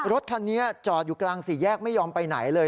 รถคันนี้จอดอยู่กลางสี่แยกไม่ยอมไปไหนเลย